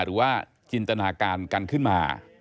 หรือว่าจินตนาการกันขึ้นมา